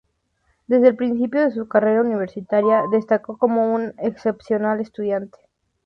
Desde el principio de su carrera universitaria destacó como un excepcional estudiante.